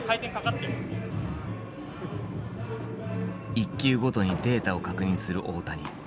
１球ごとにデータを確認する大谷。